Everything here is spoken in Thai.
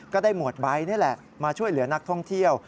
หมวดใบนี่แหละมาช่วยเหลือนักท่องเที่ยว